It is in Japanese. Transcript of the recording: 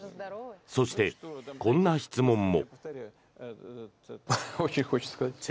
そして、こんな質問も。